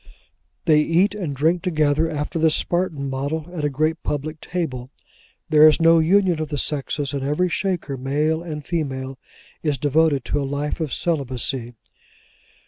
They eat and drink together, after the Spartan model, at a great public table. There is no union of the sexes, and every Shaker, male and female, is devoted to a life of celibacy.